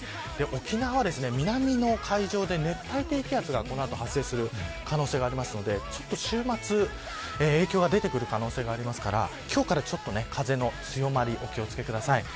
沖縄は南の海上で熱帯低気圧がこの後発生する可能性があるので週末に影響が出る可能性があるので今日から風の強まりにお気を付けください。